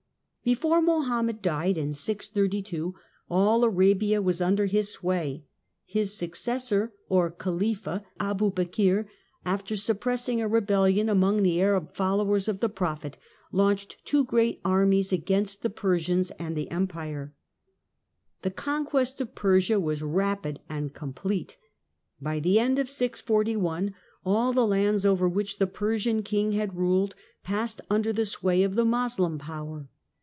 Progress of Before Mohammed died, in 632, all Arabia was under medauism his sway. His successor, or " Khalifa," Abu Bekr, after suppressing a rebellion among the Arab followers of the prophet, launched two great armies against the Persians and the Empire. Persia, 641 The conquest of Persia was rapid and complete. By the end of 641 all the lands over which the Persian king had ruled passed under the sway of the Moslem j power.